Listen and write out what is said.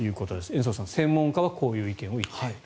延増さん、専門家はこういう意見を言っている。